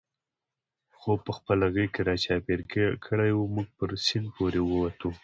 خوپ په خپله غېږ کې را چاپېر کړی و، موږ پر سیند پورې وتو.